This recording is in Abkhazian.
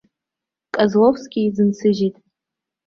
Козловски изынсыжьит.